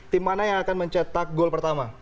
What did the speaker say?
tim mana yang akan mencetak gol pertama